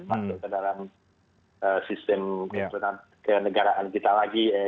masuk ke dalam sistem ke negaraan kita lagi